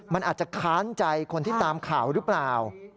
มันอาจจะค้านใจคนที่ตามข่าวหรือเปล่า